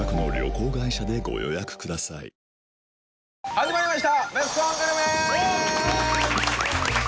始まりましたベスコングルメ！